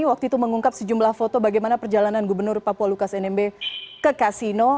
waktu itu mengungkap sejumlah foto bagaimana perjalanan gubernur papua lukas nmb ke kasino